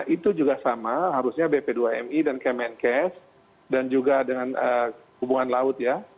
itu juga sama harusnya bp dua mi dan kemenkes dan juga dengan hubungan laut ya